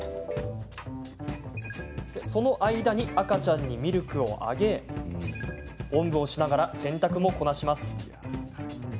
その間に赤ちゃんにミルクをあげおんぶをしながら洗濯もこなします。